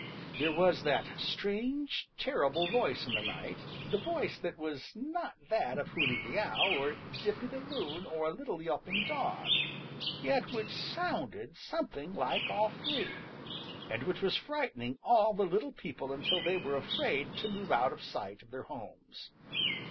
There was that strange, terrible voice in the night, the voice that was not that of Hooty the Owl or Dippy the Loon or a little yelping dog, yet which sounded something like all three, and which was frightening all the little people until they were afraid to move out of sight of their homes.